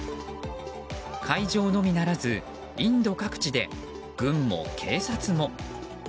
会場のみならず、インド各地で軍も警察も。